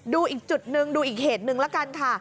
ดูอีกจุดนึงดูอีกเหตุหนึ่งละกันค่ะ